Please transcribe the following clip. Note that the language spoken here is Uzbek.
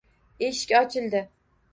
Eshik ochildi.